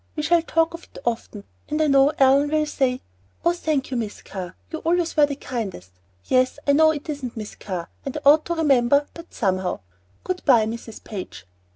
We shall talk of it often, and I know Ellen will say Oh, thank you, Miss Carr, you always were the kindest Yes, I know it isn't Miss Carr, and I ought to remember, but somehow Good by, Mrs. Page.